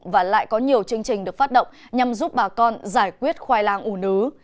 và lại có nhiều chương trình được phát động nhằm giúp bà con giải quyết khoai lang ủ nứ